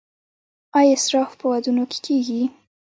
آیا اسراف په ودونو کې کیږي؟